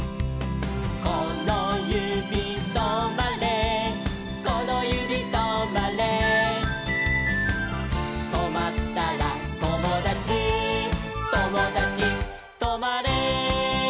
「このゆびとまれこのゆびとまれ」「とまったらともだちともだちとまれ」